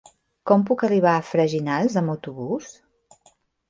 Com puc arribar a Freginals amb autobús?